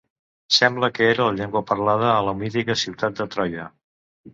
Sembla que era la llengua parlada a la mítica ciutat de Troia.